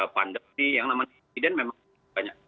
pandemi yang namanya presiden memang